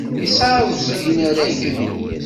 Yesseɛẓeg inaragen.